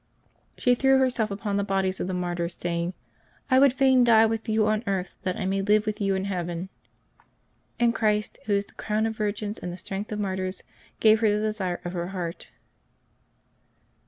She threw herself upon the bodies of the martyrs, saying, "I would fain die with you on earth, that I may live with you in heaven." And Christ, Who is the crown of virgins and the strength of martyrs, gave her the desire of her heart.